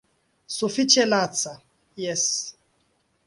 Sufiĉe laca, jes.